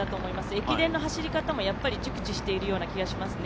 駅伝の走り方も熟知しているような気がしますね。